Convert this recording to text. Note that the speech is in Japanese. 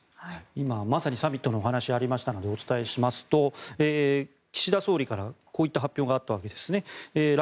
今まさにサミットのお話がありましたのでお伝えしますと岸田総理からこういった発表があったわけですね。